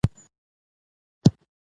په هوس وتخناوه